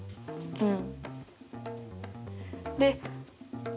うん。